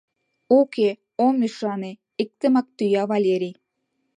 Уке, ом ӱшане! — иктымак тӱя Валерий.